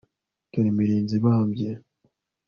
Dore imirinzi ibambye